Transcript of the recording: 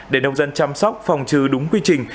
để nông dân chăm sóc phòng trừ đúng quy trình